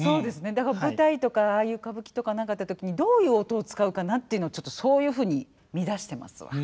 だから舞台とかああいう歌舞伎とか何かあった時にどういう音を使うかなっていうのちょっとそういうふうに見だしてますわ。